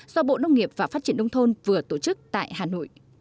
do bộ nông nghiệp và phát triển nông thôn vừa tổ chức tại hà nội